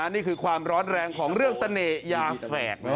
นี่คือความร้อนแรงของเรื่องเสน่หยาแฝก